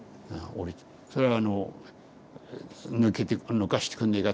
それはあの「抜かしてくんねえか」